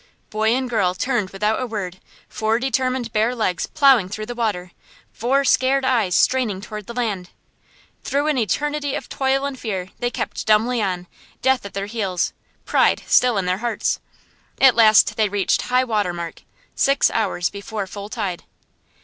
Boy and girl turned without a word, four determined bare legs ploughing through the water, four scared eyes straining toward the land. Through an eternity of toil and fear they kept dumbly on, death at their heels, pride still in their hearts. At last they reach high water mark six hours before full tide.